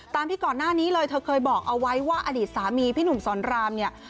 ที่ก่อนหน้านี้เลยเธอเคยบอกเอาไว้ว่าอดีตสามีพี่หนุ่มสอนรามเนี่ย